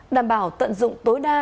đảm bảo tận dụng tối đa